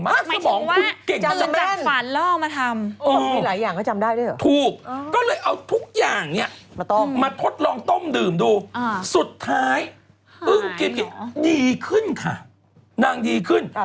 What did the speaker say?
อ่าแล้วมะเร็งยังไง